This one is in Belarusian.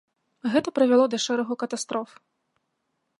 Гэта прывяло да шэрагу катастроф.